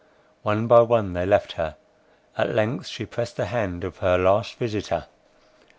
One by one they left her—at length she pressed the hand of her last visitor.